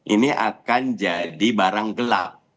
ini akan jadi barang gelap